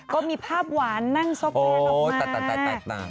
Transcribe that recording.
ก็มีภาพหวานนั่งซ็อปเตอร์ลงมา